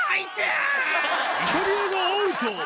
イタリアがアウト！